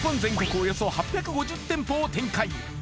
およそ８５０店舗を展開